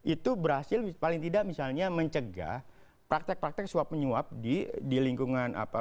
itu berhasil paling tidak misalnya mencegah praktek praktek suap menyuap di lingkungan apa